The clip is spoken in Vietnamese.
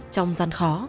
trong gian khó